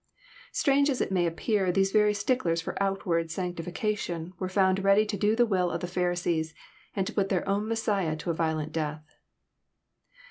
Strange as it may appear, these very sticklers for outward sanCtification were found ready to do the will of the Pharisees, and to put their own Mes siah to a violent death.